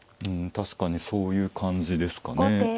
確かにそういう感じですかね。